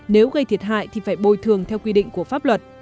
nếu gây thiệt hại thì phải bồi thường theo quy định của pháp luật